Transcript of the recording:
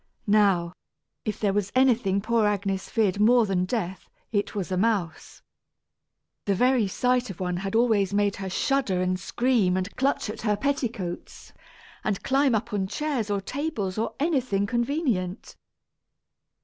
Now, if there was anything poor Agnes feared more than death, it was a mouse. The very sight of one had always made her shudder and scream and clutch at her petticoats, and climb up on chairs or tables or anything convenient.